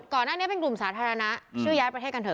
ก่อนหน้านี้เป็นกลุ่มสาธารณะชื่อย้ายประเทศกันเถ